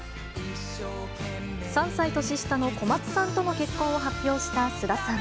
３歳年下の小松さんとの結婚を発表した菅田さん。